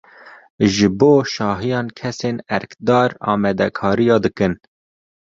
Ji bo şahiyan kesên erkdar amadekariyan dikin.